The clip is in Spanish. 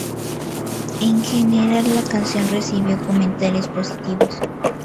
En general la canción recibió comentarios positivos.